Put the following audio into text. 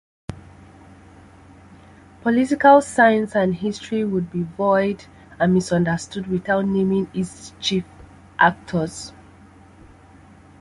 Political science and history would be void and misunderstood without naming its chief actors.